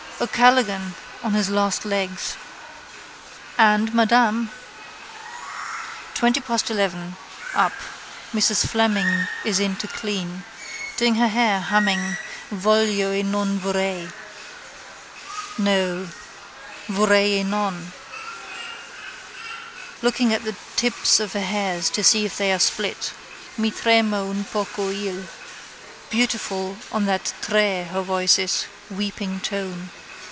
O'Callaghan on his last legs. And Madame. Twenty past eleven. Up. Mrs Fleming is in to clean. Doing her hair, humming: voglio e non vorrei. No: vorrei e non. Looking at the tips of her hairs to see if they are split. Mi trema un poco il. Beautiful on that tre her voice is: weeping tone.